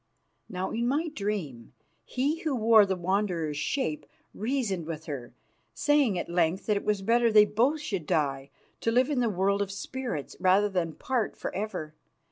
Now, in my dream, he who wore the Wanderer's shape reasoned with her, saying at length that it was better they both should die, to live on in the world of spirits, rather than part for ever.